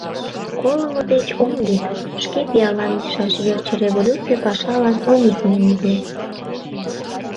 Колымо деч ом лӱд, шке пиалан лийшаш верч революций пашалан ом изменитле.